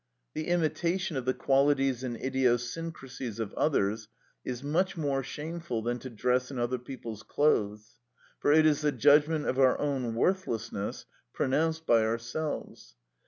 The imitation of the qualities and idiosyncrasies of others is much more shameful than to dress in other people's clothes; for it is the judgment of our own worthlessness pronounced by ourselves.